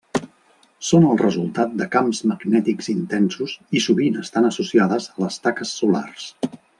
Són el resultat de camps magnètics intensos i sovint estan associades a les taques solars.